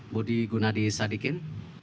budi gunadi sadikin